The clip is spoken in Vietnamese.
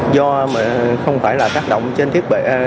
do không phải là tác động trên thiết bị